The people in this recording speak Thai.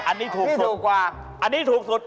อันนี้ถูกกว่าอันนี้ถูกสุด